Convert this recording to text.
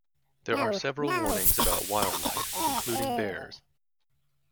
There are several warnings about wildlife including bears.